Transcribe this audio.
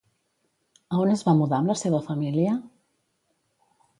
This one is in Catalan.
A on es va mudar amb la seva família?